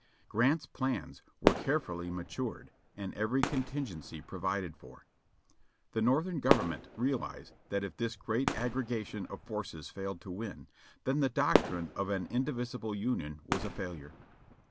* Grant's plans were carefully matured and every contingency provided for. The Northern Government realized that if this great aggregation of forces failed to win, then the doctrine of an indivisible Union was a failure.